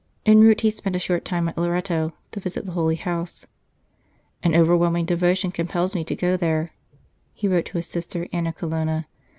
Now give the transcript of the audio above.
En route he spent a short time at Loreto to visit the Holy House. "An overwhelming devotion compels me to go there," he wrote to his sister, Anna Colonna.